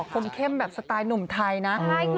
คมเข้มแบบสไตล์หนุ่มไทยนะ